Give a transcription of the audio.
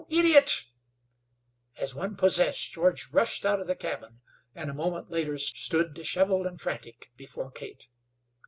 Idiot!" As one possessed, George rushed out of the cabin, and a moment later stood disheveled and frantic before Kate.